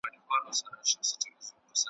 کاظم شیدا ډېرښه ویلي دي ,